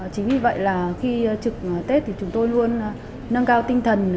chính vì vậy là khi trực tết thì chúng tôi luôn nâng cao tinh thần